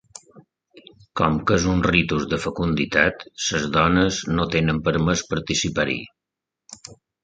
Com que és un ritus de fecunditat, les dones no tenen permès participar-hi.